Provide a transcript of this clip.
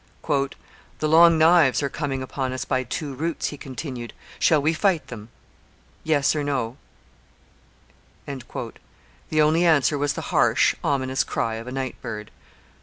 'The Long Knives are coming upon us by two routes,' he continued. 'Shall we fight them Yes or No?' The only answer was the harsh, ominous cry of a night bird.